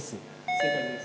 正解です。